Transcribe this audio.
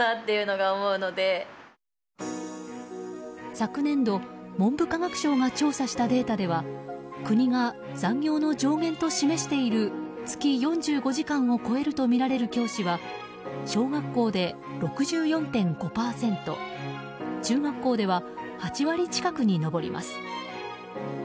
昨年度、文部科学省が調査したデータでは国が残業の上限と示している月４５時間を超えるとみられる教師は小学校で６４．５％中学校では８割近くに上ります。